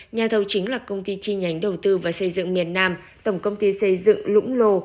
nhà thầu chính là công ty chi nhánh đầu tư và xây dựng miền nam tổng công ty xây dựng lũng lô